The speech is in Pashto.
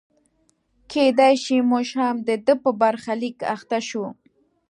کېدای شي موږ هم د ده په برخلیک اخته شو.